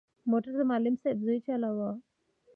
موټر د معلم صاحب زوی چلاوه.